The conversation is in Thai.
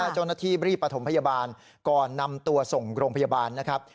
เจ้าหน้าที่รีบประถมพยาบาลก่อนนำตัวส่งโรงพยาบาลนะครับ